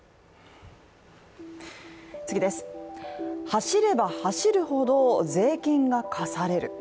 走れば走るほど税金が課される。